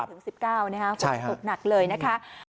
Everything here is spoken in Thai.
ถึง๑๙นะครับฝุกหนักเลยนะคะใช่ครับ